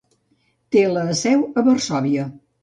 Té la seu a Varsòvia.